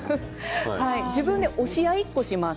自分で押し合いっこします。